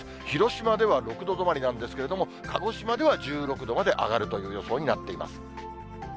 広島では６度止まりなんですけれども、鹿児島では１６度まで上がるという予想になっています。